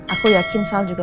aku yakin salah juga